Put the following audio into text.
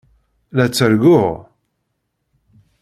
La ttarguɣ?